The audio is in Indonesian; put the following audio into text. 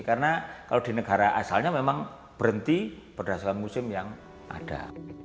karena kalau di negara asalnya memang berhenti berdasarkan musim yang ada